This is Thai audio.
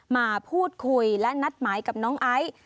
มาพูดคุยและนัดหมายกับน้องไอซ์